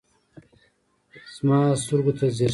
د ما سترګو ته ځیر شه